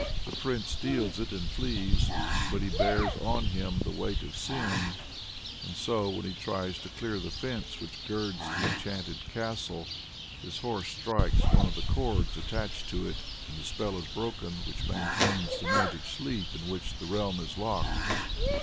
The Prince steals it and flees, but he bears on him the weight of sin, and so, when he tries to clear the fence which girds the enchanted castle, his horse strikes one of the cords attached to it, and the spell is broken which maintains the magic sleep in which the realm is locked.